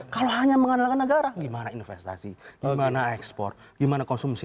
kalau hanya mengandalkan negara gimana investasi gimana ekspor gimana konsumsi